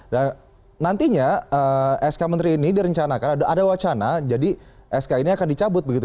dan nantinya sk menteri ini direncanakan ada wacana jadi sk ini akan dicabut begitu